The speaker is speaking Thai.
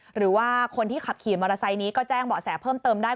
หรือว่าคนที่ขับขี่มอเตอร์ไซค์นี้ก็แจ้งเบาะแสเพิ่มเติมได้